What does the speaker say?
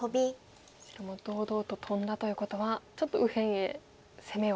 白も堂々とトンだということはちょっと右辺へ攻めを。